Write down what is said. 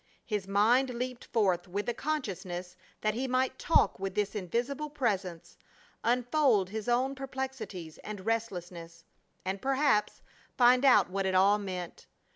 His mind leaped forth with the consciousness that he might talk with this invisible Presence, unfold his own perplexities and restlessness, and perhaps find out what it all meant.